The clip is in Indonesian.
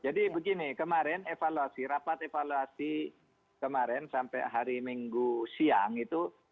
jadi begini kemarin evaluasi rapat evaluasi kemarin sampai hari minggu siang itu